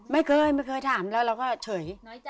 ไม่เคยไม่เคยถามแล้วเราก็เฉย